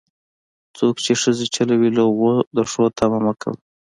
څوک چې ښځې چلوي، له هغو د ښو تمه مه کوه.